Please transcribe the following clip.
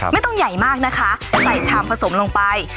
ไม่ต้องใหญ่มากนะคะใส่ชามผสมลงไป